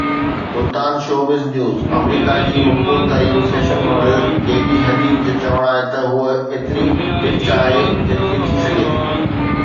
Multan (showbiz news) آمريڪا جي مقبول ترين فيشن ماڊل گيگي حديد جو چوڻ آهي ته هوءَ ايتري ڊچ آهي جيتري ٿي سگهي ٿي.